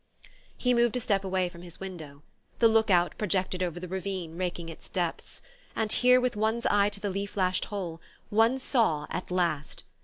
He moved a step away from his window. The look out projected over the ravine, raking its depths; and here, with one's eye to the leaf lashed hole, one saw at last